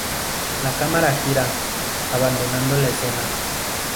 La cámara gira, abandonando la escena.